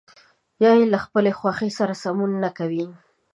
یا يې له خپلې خوښې سره سمون نه کوي.